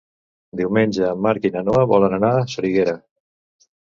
Diumenge en Marc i na Noa volen anar a Soriguera.